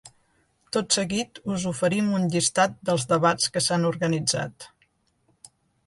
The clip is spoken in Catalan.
Tot seguit us oferim un llistat dels debats que s’han organitzat.